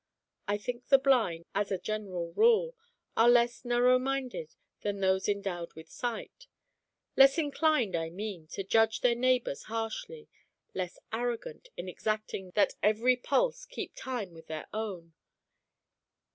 I think the blind, as a general rule, are less narrow minded than those endowed with sight. Less inclined, I mean, to judge their neighbours harshly, less arrogant in exacting that every pulse keep time with their own.